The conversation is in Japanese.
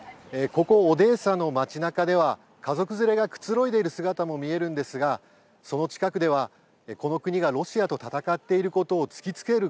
ここオデーサの街なかでは家族連れがくつろいでる姿も見えるんですがその近くではこの国がロシアと戦っていることを突きつける